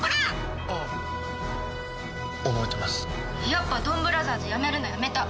やっぱドンブラザーズやめるのやめた。